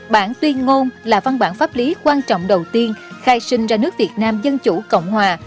bản tuyên ngôn là văn bản pháp lý quan trọng đầu tiên khai sinh ra nước việt nam dân chủ cộng hòa